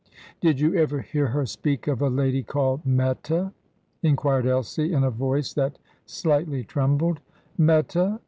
"Did you ever hear her speak of a lady called Meta?" inquired Elsie, in a voice that slightly trembled. "Meta?